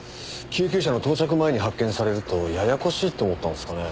救急車の到着前に発見されるとややこしいと思ったんですかね？